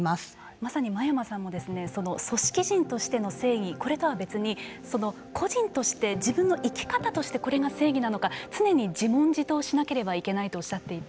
まさに真山さんもその組織人としての正義これとは別に個人として自分の生き方としてこれが正義なのか常に自問自答しなければいけないとおっしゃっていて